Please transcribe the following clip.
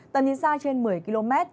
tầm nhìn xa trên một mươi km